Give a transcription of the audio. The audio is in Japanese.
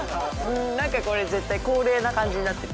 燭これ絶対恒例な感じになってる。